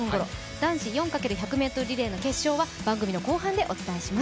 男子４×１００ｍリレーの決勝は番組の後半でお伝えします。